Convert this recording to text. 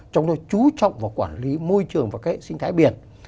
trong đó chú trọng vào quản lý môi trường và hệ sinh thái biển